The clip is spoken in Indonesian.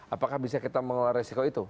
apakah bisa kita mengelola resiko itu